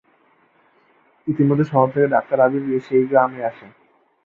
ইতিমধ্যে শহর থেকে ডাক্তার আবির সেই গ্রামে আসে।